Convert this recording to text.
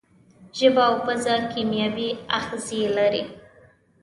ژبه او پزه کیمیاوي آخذې لري.